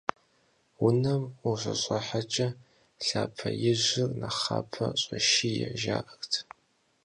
Унэм ущыщӀыхьэкӀэ лъапэ ижьыр нэхъапэ щӀэшие, жаӀэрт.